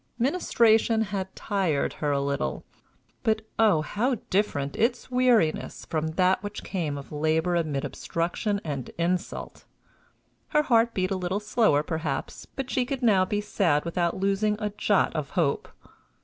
Ministration had tired her a little but, oh! how different its weariness from that which came of labor amid obstruction and insult! Her heart beat a little slower, perhaps, but she could now be sad without losing a jot of hope.